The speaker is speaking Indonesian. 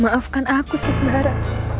maafkan aku sindara